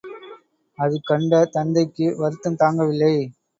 அது கண்ட தந்தைக்கு வருத்தம் தாங்கவில்லை.